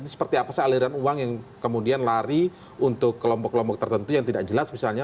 ini seperti apa sih aliran uang yang kemudian lari untuk kelompok kelompok tertentu yang tidak jelas misalnya